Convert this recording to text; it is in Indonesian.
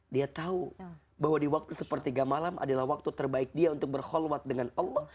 dia tahu bahwa di waktu sepertiga malam adalah waktu terbaik dia untuk berkholwat dengan allah